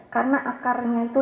karena akarnya itu